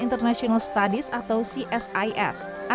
international studies atau csis arya fernandes mengatakan